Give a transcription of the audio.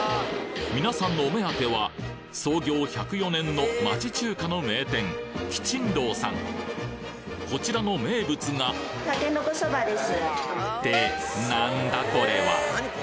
皆さんのお目当ては創業１０４年の町中華の名店こちらの名物が！ってなんだこれは？